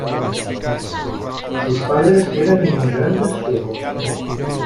Sus padres eran inmigrantes suecos.